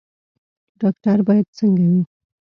ډاکټر باید څنګه وي؟